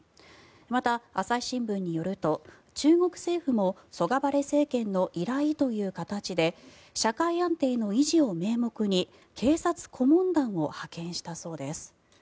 また、朝日新聞によると中国政府もソガバレ政権の依頼という形で社会安定の維持を名目に警察顧問団を派遣したそうです。